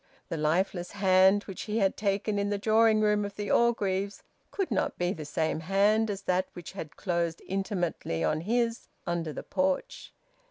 The lifeless hand which he had taken in the drawing room of the Orgreaves could not be the same hand as that which had closed intimately on his under the porch.